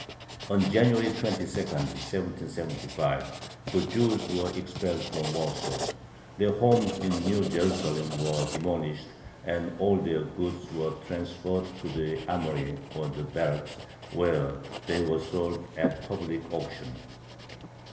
On January 22, 1775, the Jews were expelled from Warsaw; their homes in New Jerusalem were demolished, and all their goods were transferred to the armory or the barracks, where they were sold at public auction.